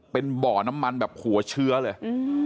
เป็นบ่อน้ำมันแบบหัวเชื้อเลย